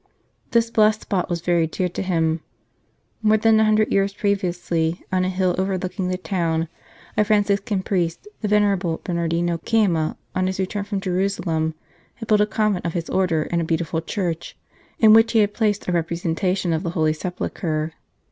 This blessed spot was very dear to him. More 165 St. Charles Borromeo than a hundred years previously, on a hill over looking the town, a Franciscan priest, the vener able Bernardino Caima, on his return from Jerusalem, had built a convent of his Order and a beautiful church, in which he had placed a repre sentation of the Holy Sepulchre.